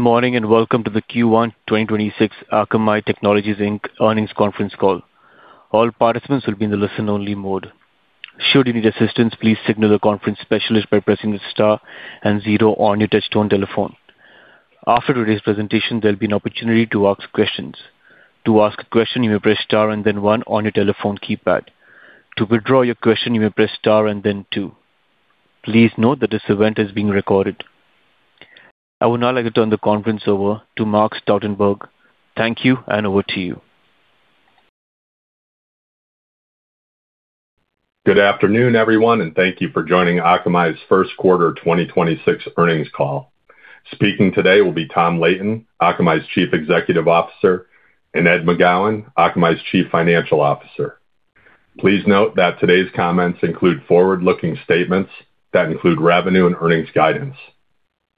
Good morning, welcome to the Q1 2026 Akamai Technologies, Inc. Earnings conference call. All participants will be in the listen-only mode. Should you need assistance, please signal the conference specialist by pressing the star and zero on your touchtone telephone. After today's presentation, there'll be an opportunity to ask questions. To ask a question, you may press star and then one on your telephone keypad. To withdraw your question, you may press star and then two. Please note that this event is being recorded. I would now like to turn the conference over to Mark Stoutenberg. Thank you, over to you. Good afternoon, everyone, and thank you for joining Akamai's first quarter 2026 earnings call. Speaking today will be Tom Leighton, Akamai's Chief Executive Officer, and Ed McGowan, Akamai's Chief Financial Officer. Please note that today's comments include forward-looking statements that include revenue and earnings guidance.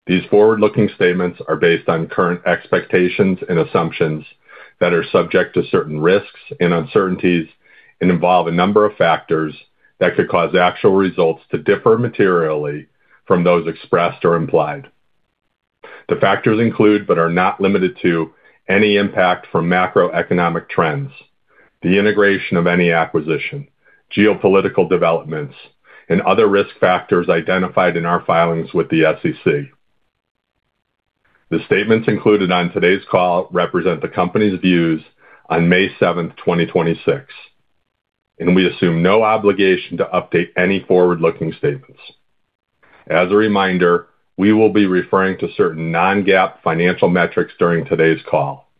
These forward-looking statements are based on current expectations and assumptions that are subject to certain risks and uncertainties and involve a number of factors that could cause actual results to differ materially from those expressed or implied. The factors include, but are not limited to, any impact from macroeconomic trends, the integration of any acquisition, geopolitical developments, and other risk factors identified in our filings with the SEC. The statements included on today's call represent the company's views on May 7th, 2026, and we assume no obligation to update any forward-looking statements. As a reminder, we will be referring to certain non-GAAP financial metrics during today's call.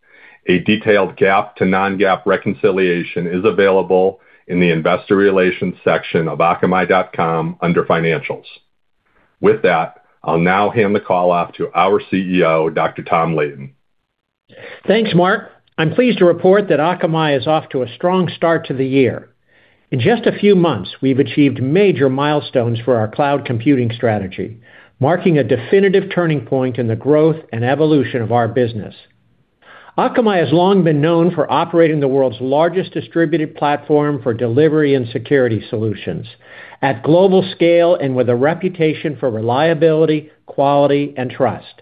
A detailed GAAP to non-GAAP reconciliation is available in the investor relations section of akamai.com under financials. With that, I'll now hand the call off to our CEO, Dr. Tom Leighton. Thanks, Mark. I'm pleased to report that Akamai is off to a strong start to the year. In just a few months, we've achieved major milestones for our cloud computing strategy, marking a definitive turning point in the growth and evolution of our business. Akamai has long been known for operating the world's largest distributed platform for delivery and security solutions at global scale and with a reputation for reliability, quality, and trust.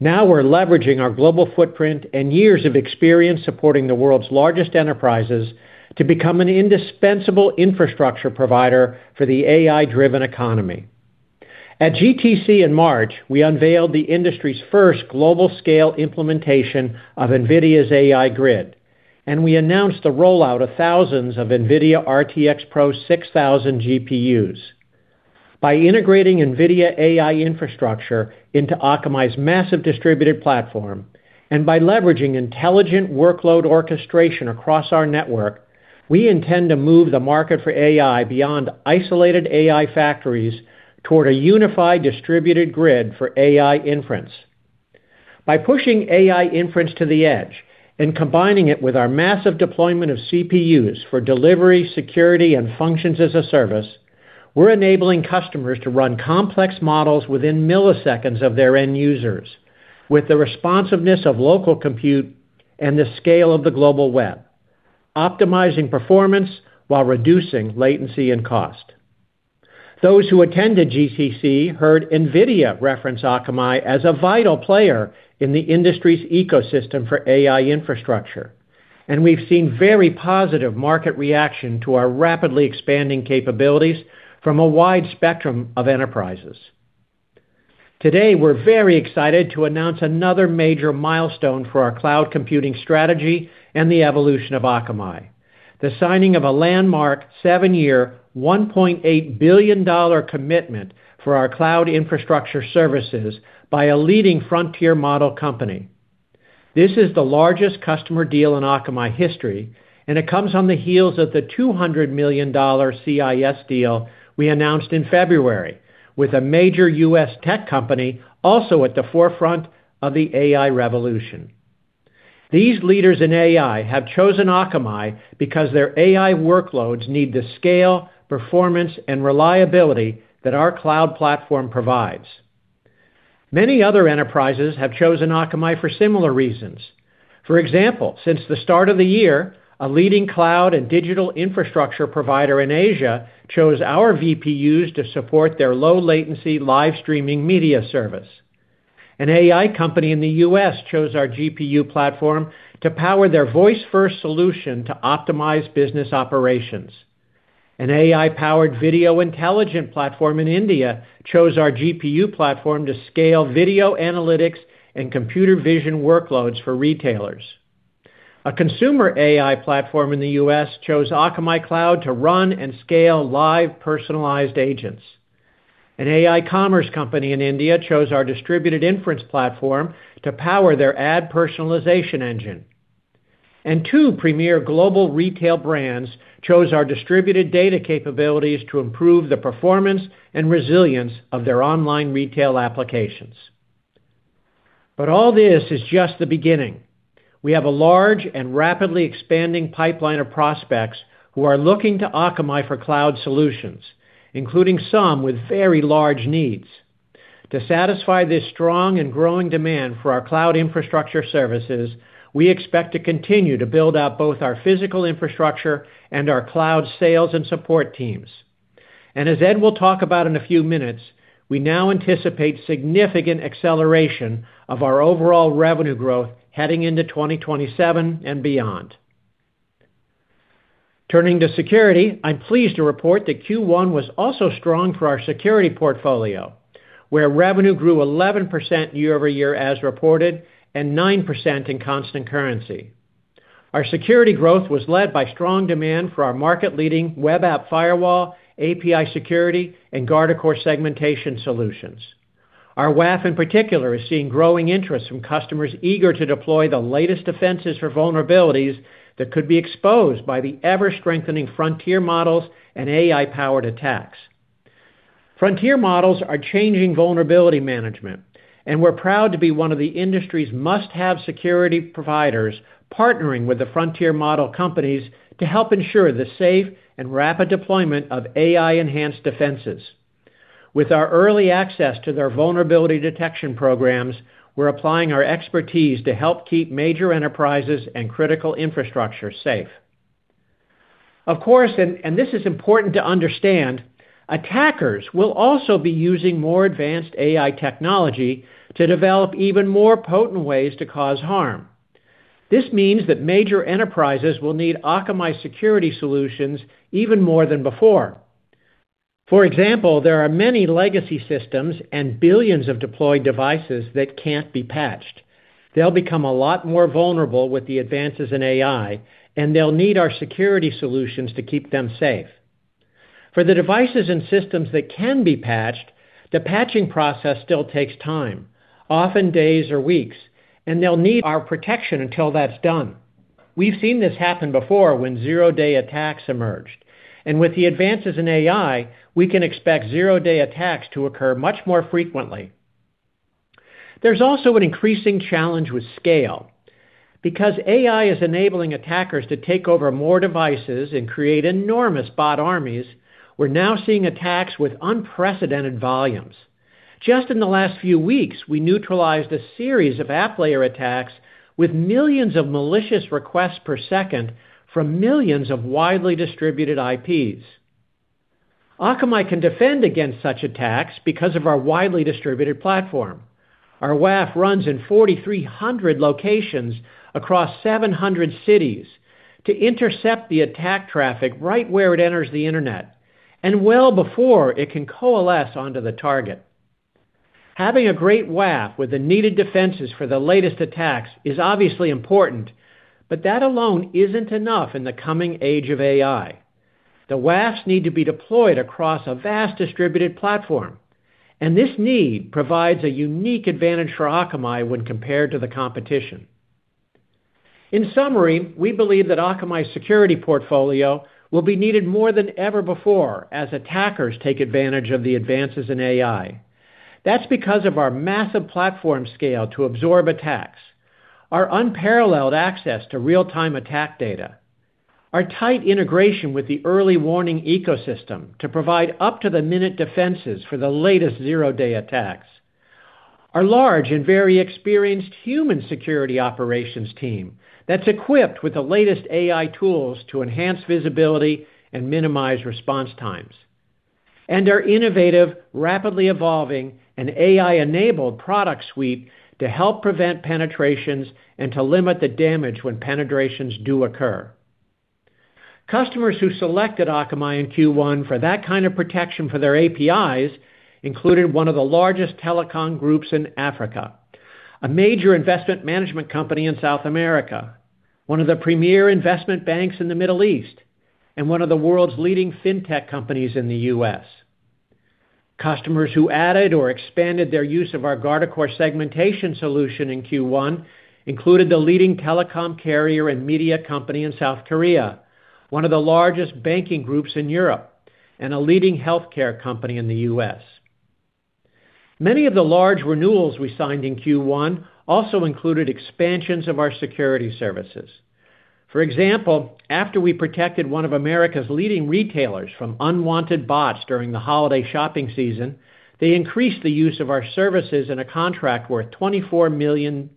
Now we're leveraging our global footprint and years of experience supporting the world's largest enterprises to become an indispensable infrastructure provider for the AI-driven economy. At GTC in March, we unveiled the industry's first global scale implementation of NVIDIA's AI Grid, and we announced the rollout of thousands of NVIDIA RTX PRO 6000 GPUs. By integrating NVIDIA AI infrastructure into Akamai's massive distributed platform and by leveraging intelligent workload orchestration across our network, we intend to move the market for AI beyond isolated AI factories toward a unified distributed grid for AI inference. By pushing AI inference to the edge and combining it with our massive deployment of CPUs for delivery, security, and Functions as a Service, we're enabling customers to run complex models within milliseconds of their end users with the responsiveness of local compute and the scale of the global web, optimizing performance while reducing latency and cost. Those who attended GTC heard NVIDIA reference Akamai as a vital player in the industry's ecosystem for AI infrastructure, and we've seen very positive market reaction to our rapidly expanding capabilities from a wide spectrum of enterprises. Today, we're very excited to announce another major milestone for our cloud computing strategy and the evolution of Akamai, the signing of a landmark seven-year, $1.8 billion commitment for our Cloud Infrastructure Services by a leading frontier model company. This is the largest customer deal in Akamai history, and it comes on the heels of the $200 million CIS deal we announced in February with a major U.S. tech company also at the forefront of the AI revolution. These leaders in AI have chosen Akamai because their AI workloads need the scale, performance, and reliability that our cloud platform provides. Many other enterprises have chosen Akamai for similar reasons. For example, since the start of the year, a leading cloud and digital infrastructure provider in Asia chose our VPUs to support their low latency live streaming media service. An AI company in the U.S. chose our GPU platform to power their voice-first solution to optimize business operations. An AI-powered video intelligent platform in India chose our GPU platform to scale video analytics and computer vision workloads for retailers. A consumer AI platform in the U.S. chose Akamai cloud to run and scale live personalized agents. An AI commerce company in India chose our distributed inference platform to power their ad personalization engine. Two premier global retail brands chose our distributed data capabilities to improve the performance and resilience of their online retail applications. All this is just the beginning. We have a large and rapidly expanding pipeline of prospects who are looking to Akamai for cloud solutions, including some with very large needs. To satisfy this strong and growing demand for our Cloud Infrastructure Services, we expect to continue to build out both our physical infrastructure and our cloud sales and support teams. As Ed will talk about in a few minutes, we now anticipate significant acceleration of our overall revenue growth heading into 2027 and beyond. Turning to security, I'm pleased to report that Q1 was also strong for our security portfolio, where revenue grew 11% year-over-year as reported and 9% in constant currency. Our security growth was led by strong demand for our market-leading Web Application Firewall, API Security, and Guardicore Segmentation solutions. Our WAF in particular is seeing growing interest from customers eager to deploy the latest defenses for vulnerabilities that could be exposed by the ever-strengthening frontier models and AI-powered attacks. Frontier models are changing vulnerability management. We're proud to be one of the industry's must-have security providers partnering with the frontier model companies to help ensure the safe and rapid deployment of AI-enhanced defenses. With our early access to their vulnerability detection programs, we're applying our expertise to help keep major enterprises and critical infrastructure safe. Of course, this is important to understand, attackers will also be using more advanced AI technology to develop even more potent ways to cause harm. This means that major enterprises will need Akamai security solutions even more than before. For example, there are many legacy systems and billions of deployed devices that can't be patched. They'll become a lot more vulnerable with the advances in AI, and they'll need our security solutions to keep them safe. For the devices and systems that can be patched, the patching process still takes time, often days or weeks, and they'll need our protection until that's done. With the advances in AI, we can expect zero-day attacks to occur much more frequently. There's also an increasing challenge with scale. Because AI is enabling attackers to take over more devices and create enormous bot armies, we're now seeing attacks with unprecedented volumes. Just in the last few weeks, we neutralized a series of app layer attacks with millions of malicious requests per second from millions of widely distributed IPs. Akamai can defend against such attacks because of our widely distributed platform. Our WAF runs in 4,300 locations across 700 cities to intercept the attack traffic right where it enters the Internet and well before it can coalesce onto the target. Having a great WAF with the needed defenses for the latest attacks is obviously important, but that alone isn't enough in the coming age of AI. The WAFs need to be deployed across a vast distributed platform, and this need provides a unique advantage for Akamai when compared to the competition. In summary, we believe that Akamai's security portfolio will be needed more than ever before as attackers take advantage of the advances in AI. That's because of our massive platform scale to absorb attacks, our unparalleled access to real-time attack data, our tight integration with the early warning ecosystem to provide up-to-the-minute defenses for the latest zero-day attacks, our large and very experienced human security operations team that's equipped with the latest AI tools to enhance visibility and minimize response times, and our innovative, rapidly evolving, and AI-enabled product suite to help prevent penetrations and to limit the damage when penetrations do occur. Customers who selected Akamai in Q1 for that kind of protection for their APIs included one of the largest telecom groups in Africa, a major investment management company in South America, one of the premier investment banks in the Middle East, and one of the world's leading fintech companies in the U.S. Customers who added or expanded their use of our Guardicore Segmentation solution in Q1 included the leading telecom carrier and media company in South Korea, one of the largest banking groups in Europe, and a leading healthcare company in the U.S. Many of the large renewals we signed in Q1 also included expansions of our security services. After we protected one of America's leading retailers from unwanted bots during the holiday shopping season, they increased the use of our services in a contract worth $24 million.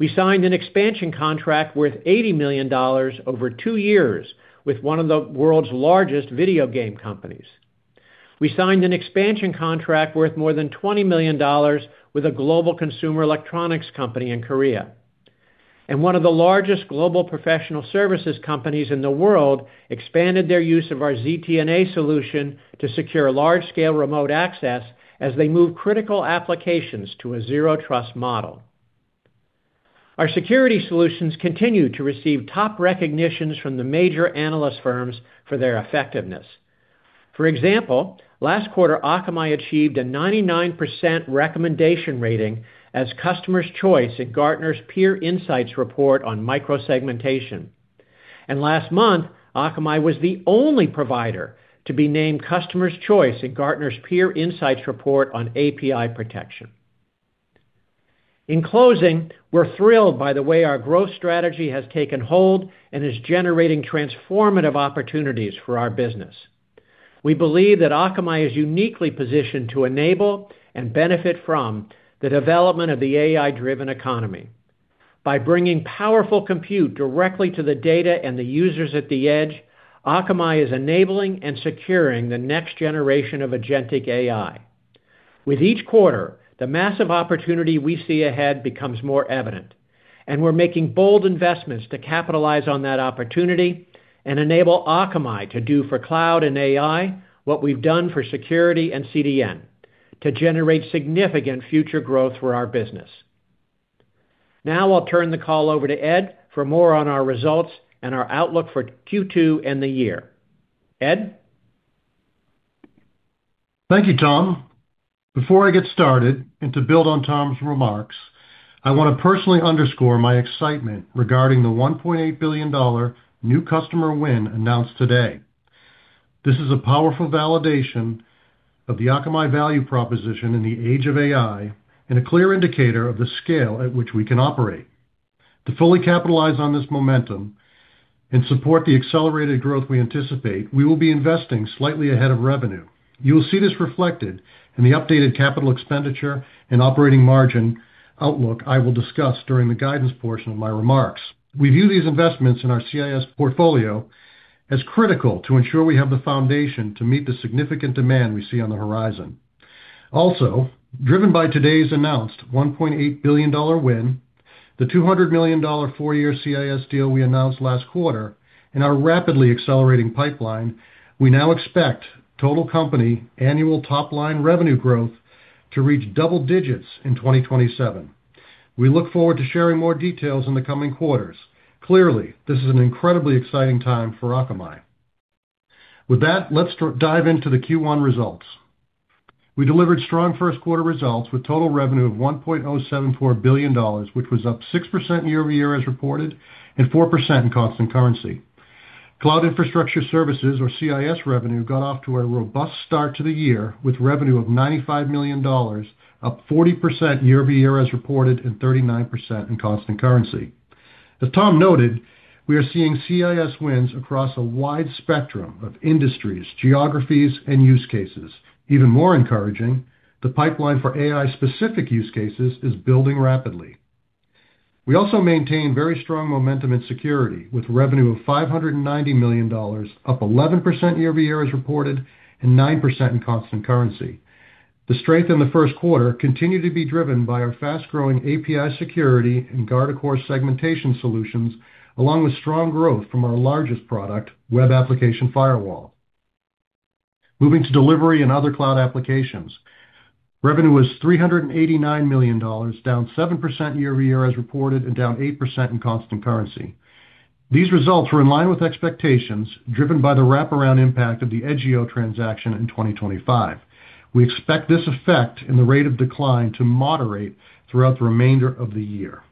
We signed an expansion contract worth $80 million over two years with one of the world's largest video game companies. We signed an expansion contract worth more than $20 million with a global consumer electronics company in Korea. One of the largest global professional services companies in the world expanded their use of our ZTNA solution to secure large-scale remote access as they move critical applications to a zero trust model. Our security solutions continue to receive top recognitions from the major analyst firms for their effectiveness. For example, last quarter, Akamai achieved a 99% recommendation rating as Customer's Choice at Gartner's Peer Insights report on microsegmentation. Last month, Akamai was the only provider to be named Customer's Choice at Gartner's Peer Insights report on API Protection. In closing, we're thrilled by the way our growth strategy has taken hold and is generating transformative opportunities for our business. We believe that Akamai is uniquely positioned to enable and benefit from the development of the AI-driven economy. By bringing powerful compute directly to the data and the users at the edge, Akamai is enabling and securing the next generation of agentic AI. With each quarter, the massive opportunity we see ahead becomes more evident. We're making bold investments to capitalize on that opportunity and enable Akamai to do for cloud and AI what we've done for security and CDN to generate significant future growth for our business. Now I'll turn the call over to Ed for more on our results and our outlook for Q2 and the year. Ed? Thank you, Tom. Before I get started, and to build on Tom's remarks, I want to personally underscore my excitement regarding the $1.8 billion new customer win announced today. This is a powerful validation of the Akamai value proposition in the age of AI and a clear indicator of the scale at which we can operate. To fully capitalize on this momentum and support the accelerated growth we anticipate, we will be investing slightly ahead of revenue. You will see this reflected in the updated capital expenditure and operating margin outlook I will discuss during the guidance portion of my remarks. We view these investments in our CIS portfolio as critical to ensure we have the foundation to meet the significant demand we see on the horizon. Driven by today's announced $1.8 billion win, the $200 million four-year CIS deal we announced last quarter, and our rapidly accelerating pipeline, we now expect total company annual top-line revenue growth to reach double digits in 2027. We look forward to sharing more details in the coming quarters. Clearly, this is an incredibly exciting time for Akamai. With that, let's dive into the Q1 results. We delivered strong first quarter results with total revenue of $1.074 billion, which was up 6% year-over-year as reported, and 4% in constant currency. Cloud Infrastructure Services, or CIS revenue, got off to a robust start to the year with revenue of $95 million, up 40% year-over-year as reported, and 39% in constant currency. As Tom noted, we are seeing CIS wins across a wide spectrum of industries, geographies, and use cases. Even more encouraging, the pipeline for AI-specific use cases is building rapidly. We also maintain very strong momentum in security with revenue of $590 million, up 11% year-over-year as reported, and 9% in constant currency. The strength in the first quarter continued to be driven by our fast-growing API Security and Guardicore Segmentation solutions, along with strong growth from our largest product, Web Application Firewall. Moving to delivery and other cloud applications. Revenue was $389 million, down 7% year-over-year as reported, and down 8% in constant currency. These results were in line with expectations driven by the wraparound impact of the Edgio transaction in 2025. We expect this effect in the rate of decline to moderate throughout the remainder of the year.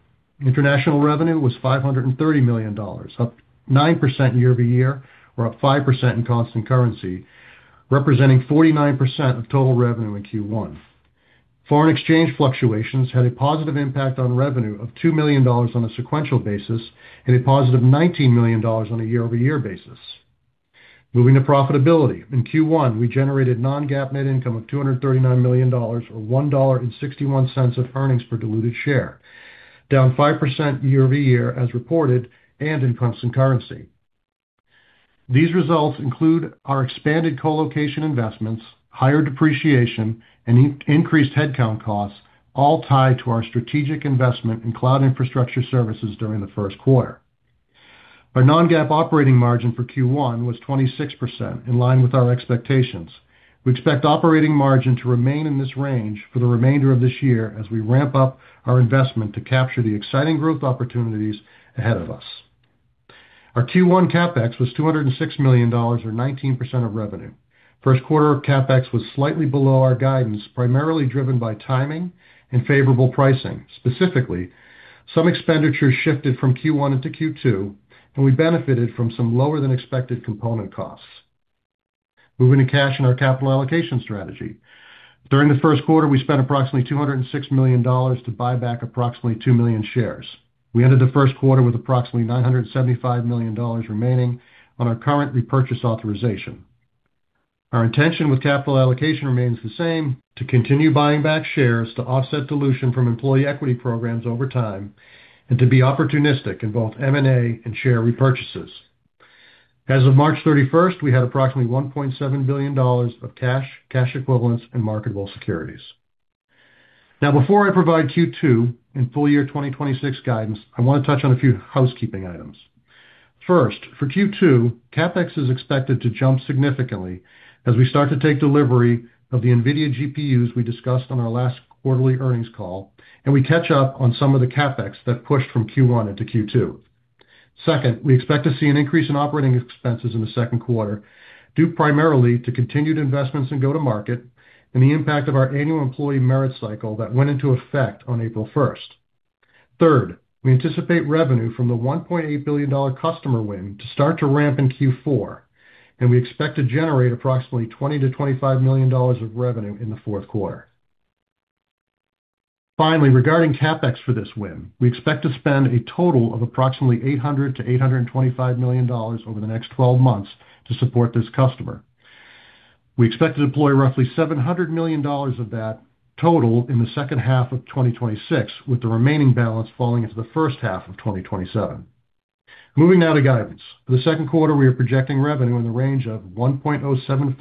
International revenue was $530 million, up 9% year-over-year or up 5% in constant currency, representing 49% of total revenue in Q1. Foreign exchange fluctuations had a positive impact on revenue of $2 million on a sequential basis and a +$19 million on a year-over-year basis. Moving to profitability. In Q1, we generated non-GAAP net income of $239 million or $1.61 of earnings per diluted share, down 5% year-over-year as reported and in constant currency. These results include our expanded colocation investments, higher depreciation, and increased headcount costs, all tied to our strategic investment in Cloud Infrastructure Services during the first quarter. Our non-GAAP operating margin for Q1 was 26% in line with our expectations. We expect operating margin to remain in this range for the remainder of this year as we ramp up our investment to capture the exciting growth opportunities ahead of us. Our Q1 CapEx was $206 million or 19% of revenue. First quarter of CapEx was slightly below our guidance, primarily driven by timing and favorable pricing. Specifically, some expenditures shifted from Q1 into Q2, and we benefited from some lower than expected component costs. Moving to cash and our capital allocation strategy. During the first quarter, we spent approximately $206 million to buy back approximately 2 million shares. We ended the first quarter with approximately $975 million remaining on our current repurchase authorization. Our intention with capital allocation remains the same, to continue buying back shares to offset dilution from employee equity programs over time and to be opportunistic in both M&A and share repurchases. As of March 31st, we had approximately $1.7 billion of cash equivalents, and marketable securities. Now, before I provide Q2 and full year 2026 guidance, I want to touch on a few housekeeping items. First, for Q2, CapEx is expected to jump significantly as we start to take delivery of the NVIDIA GPUs we discussed on our last quarterly earnings call, and we catch up on some of the CapEx that pushed from Q1 into Q2. Second, we expect to see an increase in operating expenses in the second quarter, due primarily to continued investments in go-to-market and the impact of our annual employee merit cycle that went into effect on April 1st. Third, we anticipate revenue from the $1.8 billion customer win to start to ramp in Q4, and we expect to generate approximately $20 million-$25 million of revenue in the fourth quarter. Finally, regarding CapEx for this win, we expect to spend a total of approximately $800 million-$825 million over the next 12 months to support this customer. We expect to deploy roughly $700 million of that total in the second half of 2026, with the remaining balance falling into the first half of 2027. Moving now to guidance. For the second quarter, we are projecting revenue in the range of $1.075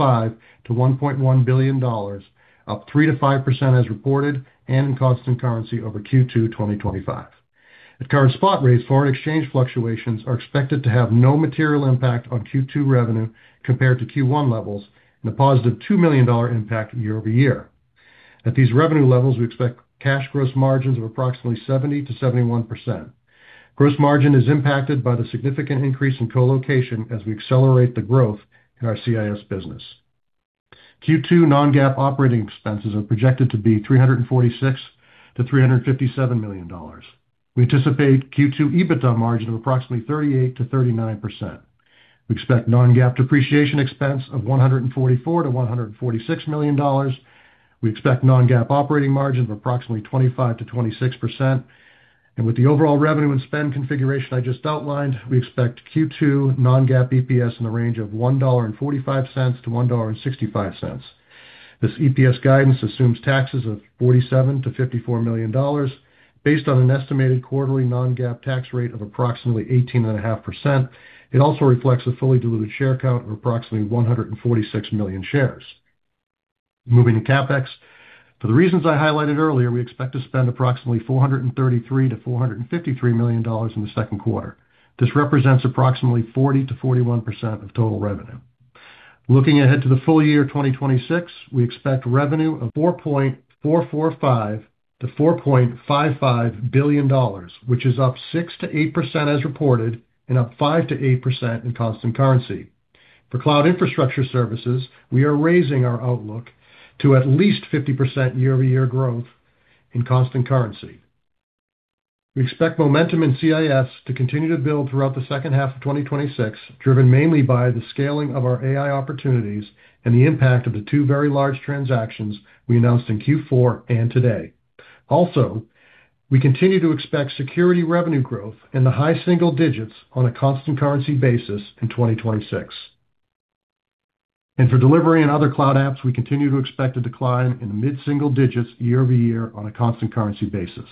billion-$1.1 billion, up 3%-5% as reported and in constant currency over Q2 2025. At current spot rates, foreign exchange fluctuations are expected to have no material impact on Q2 revenue compared to Q1 levels and a positive $2 million impact year-over-year. At these revenue levels, we expect cash gross margins of approximately 70%-71%. Gross margin is impacted by the significant increase in co-location as we accelerate the growth in our CIS business. Q2 non-GAAP operating expenses are projected to be $346 million-$357 million. We anticipate Q2 EBITDA margin of approximately 38%-39%. We expect non-GAAP depreciation expense of $144 million-$146 million. We expect non-GAAP operating margin of approximately 25%-26%. With the overall revenue and spend configuration I just outlined, we expect Q2 non-GAAP EPS in the range of $1.45-$1.65. This EPS guidance assumes taxes of $47 million-$54 million based on an estimated quarterly non-GAAP tax rate of approximately 18.5%. It also reflects a fully diluted share count of approximately 146 million shares. Moving to CapEx. For the reasons I highlighted earlier, we expect to spend approximately $433 million-$453 million in the second quarter. This represents approximately 40%-41% of total revenue. Looking ahead to the full year 2026, we expect revenue of $4.445 billion-$4.55 billion, which is up 6%-8% as reported and up 5%-8% in constant currency. For Cloud Infrastructure Services, we are raising our outlook to at least 50% year-over-year growth in constant currency. We expect momentum in CIS to continue to build throughout the second half of 2026, driven mainly by the scaling of our AI opportunities and the impact of the two very large transactions we announced in Q4 and today. We continue to expect security revenue growth in the high single digits on a constant currency basis in 2026. For delivery and other cloud apps, we continue to expect a decline in the mid single digits year-over-year on a constant currency basis.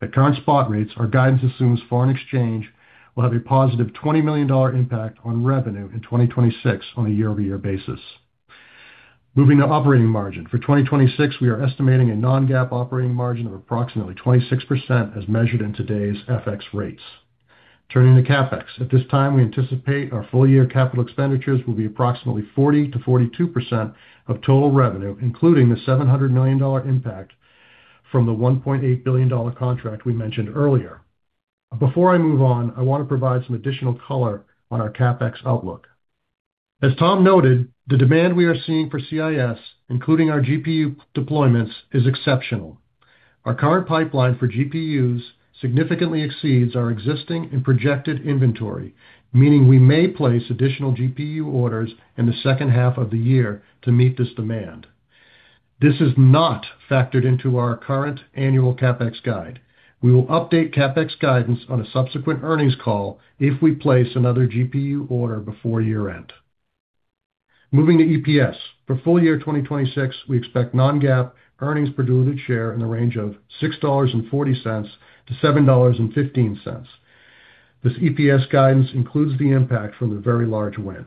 At current spot rates, our guidance assumes foreign exchange will have a positive $20 million impact on revenue in 2026 on a year-over-year basis. Moving to operating margin. For 2026, we are estimating a non-GAAP operating margin of approximately 26% as measured in today's FX rates. Turning to CapEx. At this time, we anticipate our full year capital expenditures will be approximately 40%-42% of total revenue, including the $700 million impact from the $1.8 billion contract we mentioned earlier. Before I move on, I want to provide some additional color on our CapEx outlook. As Tom noted, the demand we are seeing for CIS, including our GPU deployments, is exceptional. Our current pipeline for GPUs significantly exceeds our existing and projected inventory, meaning we may place additional GPU orders in the second half of the year to meet this demand. This is not factored into our current annual CapEx guide. We will update CapEx guidance on a subsequent earnings call if we place another GPU order before year end. Moving to EPS. For full year 2026, we expect non-GAAP earnings per diluted share in the range of $6.40-$7.15. This EPS guidance includes the impact from the very large win.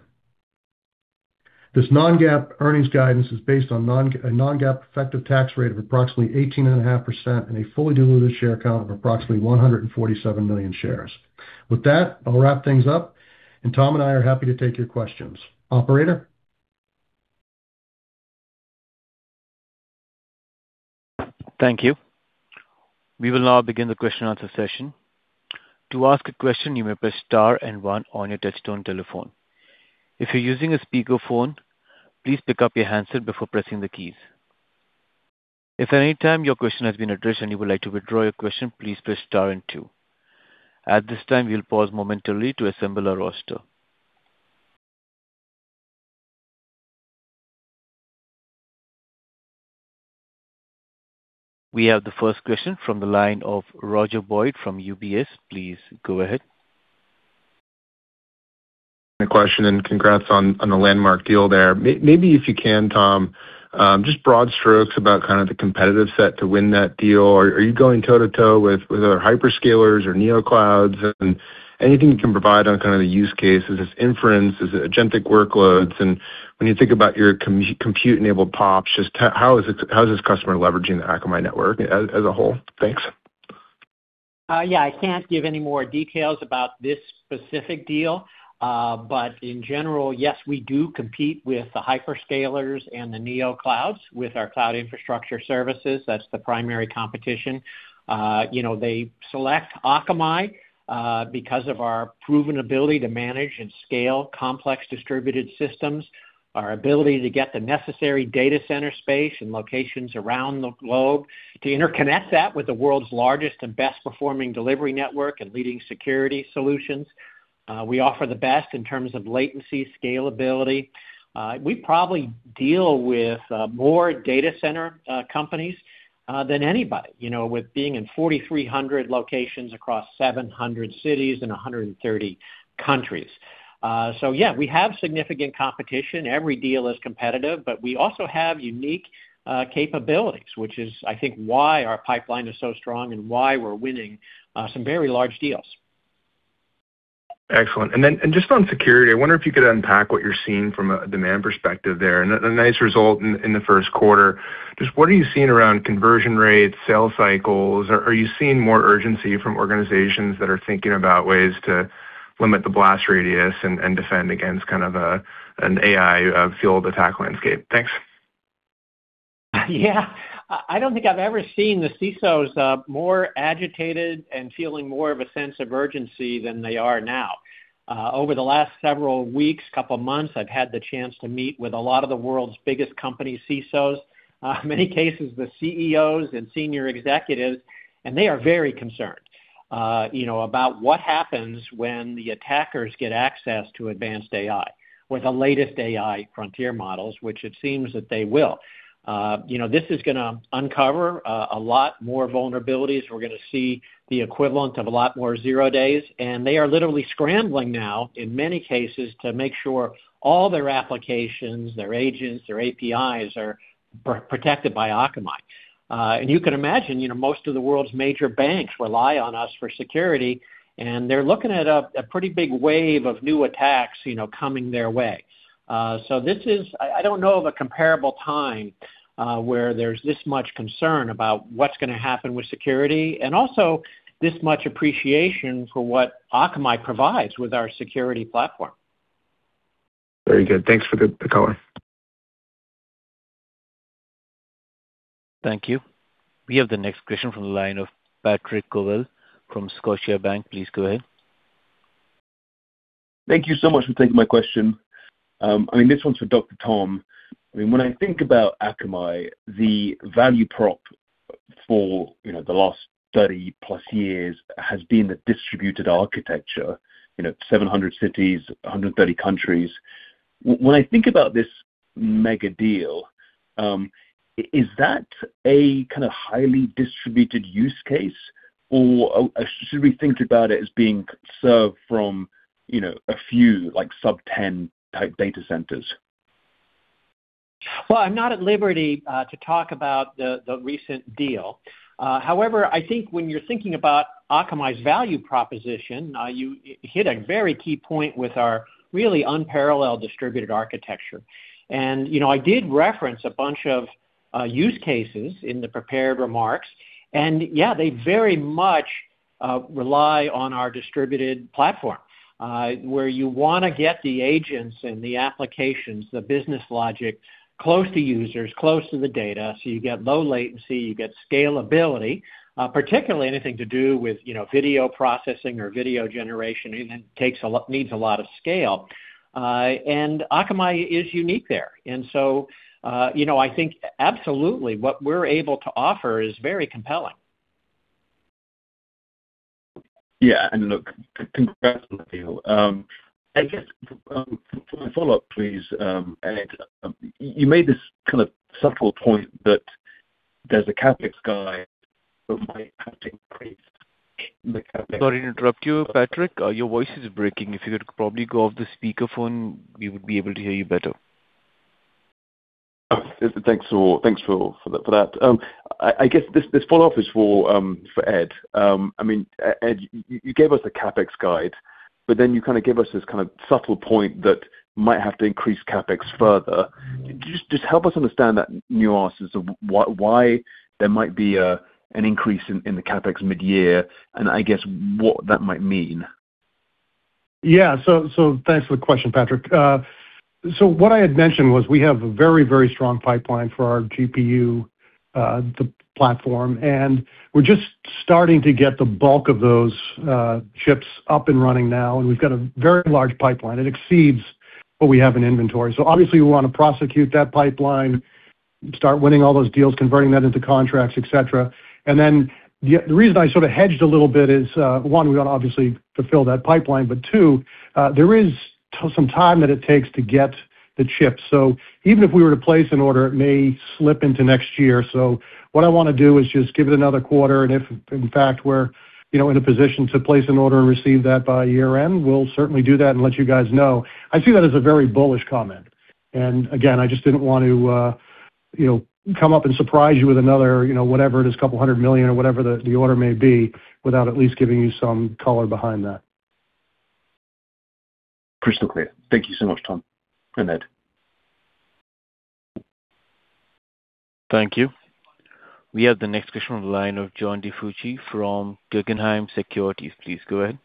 This non-GAAP earnings guidance is based on a non-GAAP effective tax rate of approximately 18.5% and a fully diluted share count of approximately 147 million shares. With that, I'll wrap things up, and Tom and I are happy to take your questions. Operator? Thank you. We will now begin the question and answer session. To ask a question, you may press star one on your touchtone telephone. If you're using a speakerphone, please pick up your handset before pressing the keys. If at any time your question has been addressed and you would like to withdraw your question, please press star two. At this time, we'll pause momentarily to assemble our roster. We have the first question from the line of Roger Boyd from UBS. Please go ahead. A question, congrats on the landmark deal there. Maybe if you can, Tom, just broad strokes about kind of the competitive set to win that deal. Are you going toe-to-toe with other hyperscalers or neo clouds? Anything you can provide on kind of the use cases, is it inference? Is it agentic workloads? When you think about your compute-enabled PoPs, just how is this customer leveraging the Akamai network as a whole? Thanks. I can't give any more details about this specific deal. In general, yes, we do compete with the hyperscalers and the neo clouds with our Cloud Infrastructure Services. That's the primary competition. They select Akamai because of our proven ability to manage and scale complex distributed systems, our ability to get the necessary data center space in locations around the globe, to interconnect that with the world's largest and best-performing delivery network and leading security solutions. We offer the best in terms of latency, scalability. We probably deal with more data center companies than anybody, you know, with being in 4,300 locations across 700 cities and 130 countries. We have significant competition. Every deal is competitive, but we also have unique capabilities, which is, I think, why our pipeline is so strong and why we're winning some very large deals. Excellent. Just on security, I wonder if you could unpack what you're seeing from a demand perspective there. A nice result in the first quarter. Just what are you seeing around conversion rates, sales cycles? Are you seeing more urgency from organizations that are thinking about ways to limit the blast radius and defend against kind of a, an AI fueled attack landscape? Thanks. I don't think I've ever seen the CISOs more agitated and feeling more of a sense of urgency than they are now. Over the last several weeks, couple months, I've had the chance to meet with a lot of the world's biggest company CISOs, many cases the CEOs and senior executives. They are very concerned, you know, about what happens when the attackers get access to advanced AI with the latest AI frontier models, which it seems that they will. You know, this is gonna uncover a lot more vulnerabilities. We're gonna see the equivalent of a lot more zero days. They are literally scrambling now, in many cases, to make sure all their applications, their agents, their APIs are protected by Akamai. You can imagine, you know, most of the world's major banks rely on us for security, and they're looking at a pretty big wave of new attacks, you know, coming their way. This is I don't know of a comparable time where there's this much concern about what's gonna happen with security and also this much appreciation for what Akamai provides with our security platform. Very good. Thanks for the color. Thank you. We have the next question from the line of Patrick Colville from Scotiabank. Please go ahead. Thank you so much for taking my question. I mean, this one's for Dr. Tom. I mean, when I think about Akamai, the value prop for, you know, the last 30+ years has been the distributed architecture, you know, 700 cities, 130 countries. When I think about this mega deal, is that a kind of highly distributed use case, or should we think about it as being served from, you know, a few, like sub-10 type data centers? Well, I'm not at liberty to talk about the recent deal. I think when you're thinking about Akamai's value proposition, you hit a very key point with our really unparalleled distributed architecture. You know, I did reference a bunch of use cases in the prepared remarks, and yeah, they very much rely on our distributed platform where you wanna get the agents and the applications, the business logic close to users, close to the data, so you get low latency, you get scalability, particularly anything to do with, you know, video processing or video generation, it needs a lot of scale. Akamai is unique there. You know, I think absolutely what we're able to offer is very compelling. Yeah. Look, congrats on the deal. I guess, for my follow-up, please, Ed, you made this kind of subtle point that there's a CapEx guide that might have to increase. Sorry to interrupt you, Patrick. Your voice is breaking. If you could probably go off the speaker phone, we would be able to hear you better. Thanks for that. I guess this follow-up is for Ed. I mean, Ed, you gave us a CapEx guide, but then you kind of gave us this kind of subtle point that might have to increase CapEx further. Just help us understand that nuances of why there might be an increase in the CapEx mid-year, and I guess what that might mean? Thanks for the question, Patrick. What I had mentioned was we have a very, very strong pipeline for our GPU, the platform, and we're just starting to get the bulk of those chips up and running now, and we've got a very large pipeline. It exceeds what we have in inventory. Obviously we wanna prosecute that pipeline, start winning all those deals, converting that into contracts, et cetera. The reason I sort of hedged a little bit is, one, we wanna obviously fulfill that pipeline, but two, there is some time that it takes to get the chips. Even if we were to place an order, it may slip into next year. What I wanna do is just give it another quarter, and if in fact we're, you know, in a position to place an order and receive that by year-end, we'll certainly do that and let you guys know. I see that as a very bullish comment. Again, I just didn't want to, you know, come up and surprise you with another, you know, whatever it is, couple hundred million or whatever the order may be, without at least giving you some color behind that. Crystal clear. Thank you so much, Tom and Ed. Thank you. We have the next question on the line of John DiFucci from Guggenheim Securities. Please go ahead.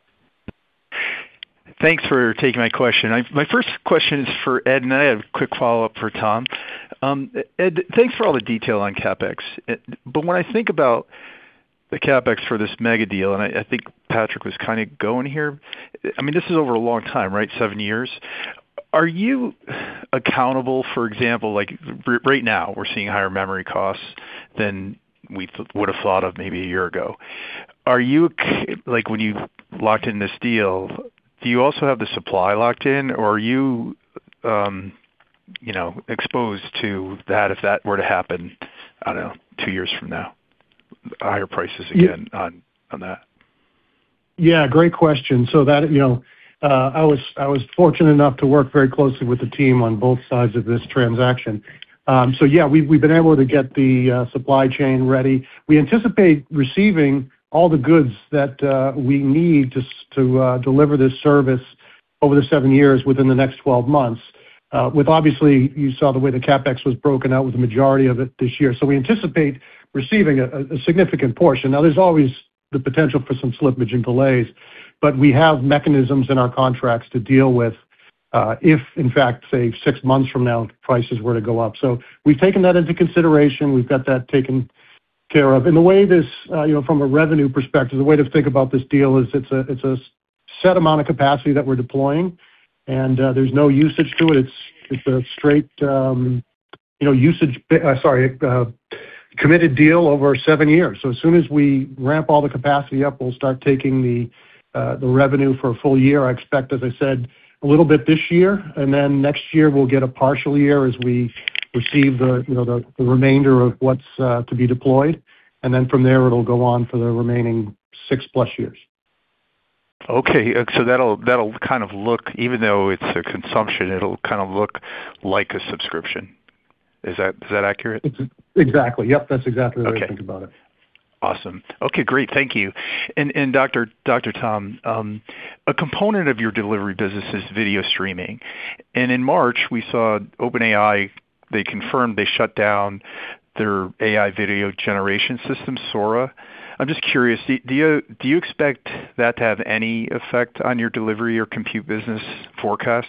Thanks for taking my question. My first question is for Ed, and I have a quick follow-up for Tom. Ed, thanks for all the detail on CapEx. When I think about the CapEx for this mega deal, and I think Patrick was kind of going here, I mean, this is over a long time, right? Seven years. Are you accountable, for example, like right now we're seeing higher memory costs than we would have thought of maybe a year ago. Are you like, when you locked in this deal, do you also have the supply locked in or are you know, exposed to that if that were to happen, I don't know, two years from now? Higher prices again on that. Yeah, great question. That, you know, I was fortunate enough to work very closely with the team on both sides of this transaction. Yeah, we've been able to get the supply chain ready. We anticipate receiving all the goods that we need to deliver this service over the seven years within the next 12 months. With obviously you saw the way the CapEx was broken out with the majority of it this year. We anticipate receiving a significant portion. Now, there's always the potential for some slippage and delays, but we have mechanisms in our contracts to deal with if in fact, say, six months from now prices were to go up. We've taken that into consideration. We've got that taken care of. The way this, you know, from a revenue perspective, the way to think about this deal is it's a, it's a set amount of capacity that we're deploying, and there's no usage to it. It's a straight, you know, usage, sorry, committed deal over seven years. As soon as we ramp all the capacity up, we'll start taking the revenue for a full year. I expect, as I said, a little bit this year, and then next year we'll get a partial year as we receive the, you know, the remainder of what's to be deployed. From there it'll go on for the remaining six plus years. Okay. That'll kind of look even though it's a consumption, it'll kind of look like a subscription. Is that accurate? Exactly. Yep, that's exactly the way to think about it. Awesome. Okay, great. Thank you. And Dr. Tom, a component of your delivery business is video streaming. In March we saw OpenAI, they confirmed they shut down their AI video generation system, Sora. I'm just curious, do you expect that to have any effect on your delivery or compute business forecasts?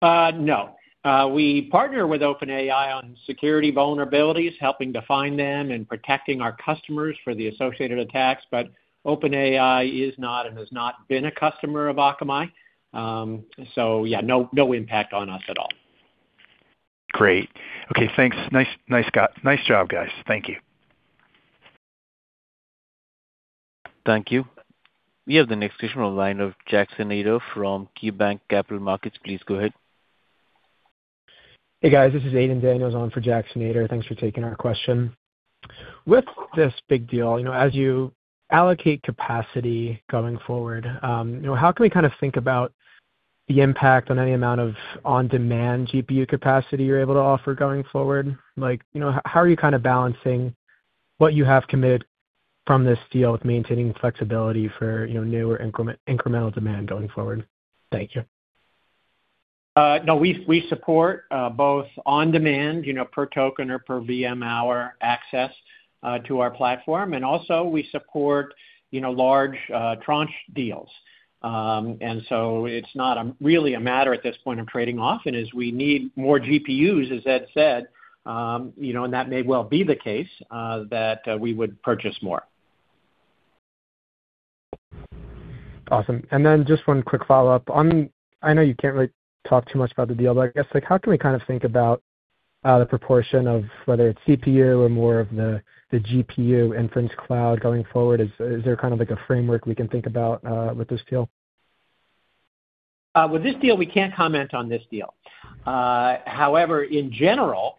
No. We partner with OpenAI on security vulnerabilities, helping to find them and protecting our customers for the associated attacks, but OpenAI is not and has not been a customer of Akamai. Yeah, no impact on us at all. Great. Okay, thanks. Nice, nice, guys. Nice job, guys. Thank you. Thank you. We have the next question on the line of Jackson Ader from KeyBanc Capital Markets. Please go ahead. Hey, guys. This is Aidan Daniels on for Jackson Ader. Thanks for taking our question. With this big deal, you know, as you allocate capacity going forward, you know, how can we kind of think about the impact on any amount of on-demand GPU capacity you're able to offer going forward? Like, you know, how are you kind of balancing what you have committed from this deal with maintaining flexibility for, you know, newer incremental demand going forward? Thank you. No, we support both on-demand, you know, per token or per VM hour access to our platform, and also we support, you know, large tranche deals. It's not really a matter at this point of trading off. As we need more GPUs, as Ed said, you know, and that may well be the case, that we would purchase more. Awesome. Just one quick follow-up. On the I know you can't really talk too much about the deal, but I guess, like, how can we kind of think about the proportion of whether it's CPU or more of the GPU Inference Cloud going forward? Is there kind of like a framework we can think about with this deal? With this deal, we can't comment on this deal. However, in general,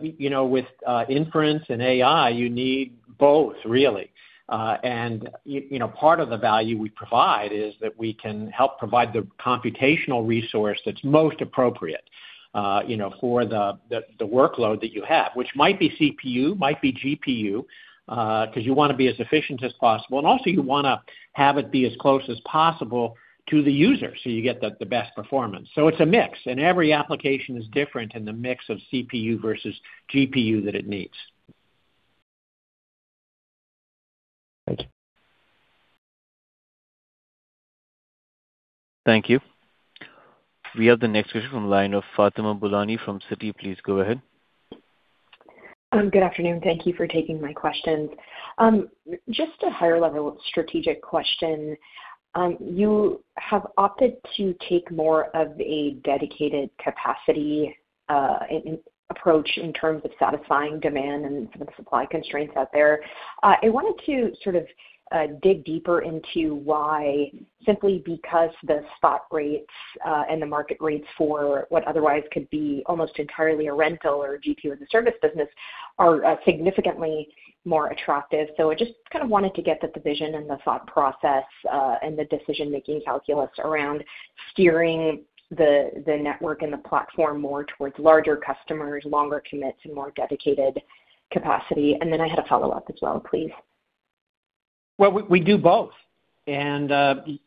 you know, with inference and AI, you need both really. You know, part of the value we provide is that we can help provide the computational resource that's most appropriate, you know, for the workload that you have, which might be CPU, might be GPU, 'cause you wanna be as efficient as possible. Also you wanna have it be as close as possible to the user, so you get the best performance. It's a mix, and every application is different in the mix of CPU versus GPU that it needs. Thank you. Thank you. We have the next question from the line of Fatima Boolani from Citi. Please go ahead. Good afternoon. Thank you for taking my questions. Just a higher level strategic question. You have opted to take more of a dedicated capacity approach in terms of satisfying demand and some supply constraints out there. I wanted to sort of dig deeper into why, simply because the spot rates and the market rates for what otherwise could be almost entirely a rental or GPU as a Service business are significantly more attractive. I just kind of wanted to get the division and the thought process and the decision-making calculus around steering the network and the platform more towards larger customers, longer commits and more dedicated capacity. I had a follow-up as well, please. Well, we do both. You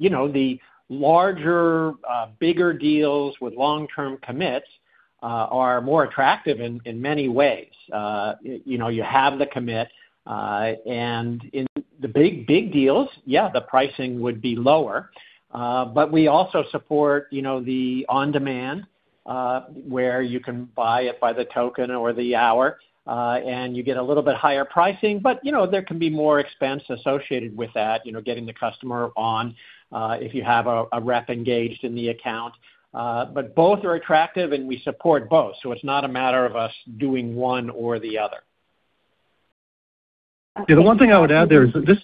know, the larger, bigger deals with long-term commits are more attractive in many ways. You know, you have the commit, and in the big deals, yeah, the pricing would be lower. But we also support, you know, the on-demand, where you can buy it by the token or the hour, and you get a little bit higher pricing. But, you know, there can be more expense associated with that, you know, getting the customer on, if you have a rep engaged in the account. But both are attractive and we support both, so it's not a matter of us doing one or the other. Yeah, the one thing I would add there is, just,